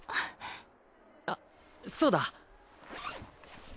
あっそうだ。